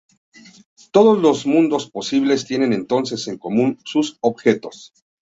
Todos los mundos posibles tienen entonces en común sus objetos.